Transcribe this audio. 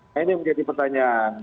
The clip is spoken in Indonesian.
nah ini menjadi pertanyaan